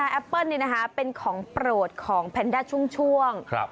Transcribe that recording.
แอปเปิลนี่นะคะเป็นของโปรดของแพนด้าช่วง